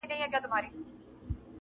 دصدقېجاريېزوردیتردېحدهپورې,